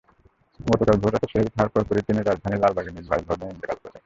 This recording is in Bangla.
গতকাল ভোররাতে সেহ্রি খাওয়ার পরপরই তিনি রাজধানীর লালবাগে নিজ বাসভবনে ইন্তেকাল করেন।